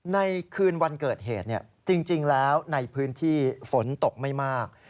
ในคืนวันเกิดเหตุจริงแล้วในพื้นที่ฝนตกไม่มาก